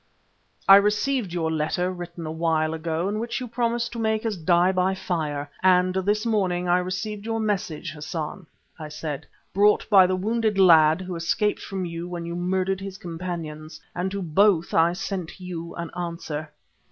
"I received your letter, written a while ago, in which you promised to make us die by fire, and, this morning, I received your message, Hassan," I said, "brought by the wounded lad who escaped from you when you murdered his companions, and to both I sent you an answer.